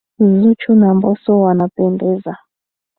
Zuchu na mbosso wanapendeza.